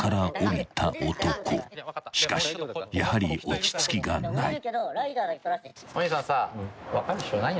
［しかしやはり落ち着きがない］